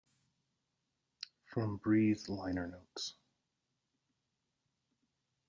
From "Breathe" liner notes.